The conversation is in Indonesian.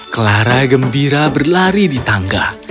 clara gembira berlari di tangga